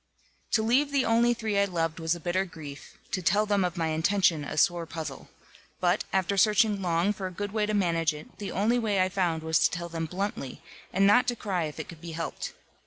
To leave the only three I loved was a bitter grief, to tell them of my intention, a sore puzzle. But, after searching long for a good way to manage it, the only way I found was to tell them bluntly, and not to cry if it could be helped.